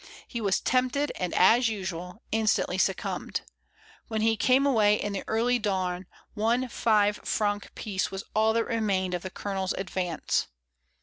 He was tempted, and, as usual, instantly succumbed. When he came away in the early dawn one five franc piece was all that remained of the Colonel's advance.